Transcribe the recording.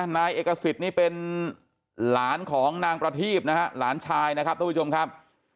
นายเอกสิทธิ์นี่เป็นหลานของนางประทีบนะฮะหลานชายนะครับท่านผู้ชมครับ